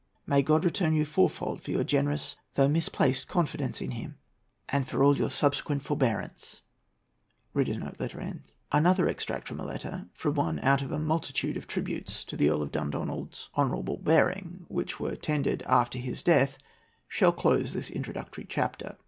May God return you fourfold for your generous though misplaced confidence in him, and for all your subsequent forbearance!" Another extract from a letter, from one out of a multitude of tributes to the Earl of Dundonald's honourable bearing, which were tendered after his death, shall close this introductory chapter.